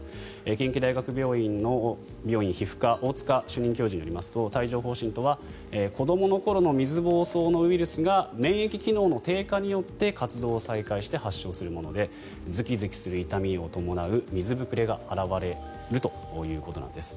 近畿大学病院皮膚科大塚主任教授によりますと帯状疱疹とは子どもの頃の水ぼうそうのウイルスが免疫機能の低下によって活動を再開して発症するものでズキズキする痛みを伴う水膨れが現れるということなんです。